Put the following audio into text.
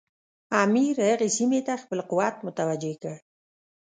امیر هغې سیمې ته خپل قوت متوجه کړ.